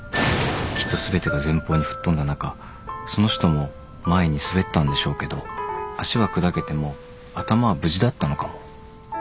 きっと全てが前方に吹っ飛んだ中その人も前に滑ったんでしょうけど足は砕けても頭は無事だったのかも。